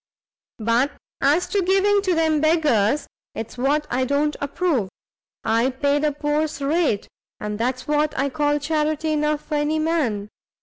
But as to giving to them beggars, it's what I don't approve; I pay the poor's rate, and that's what I call charity enough for any man.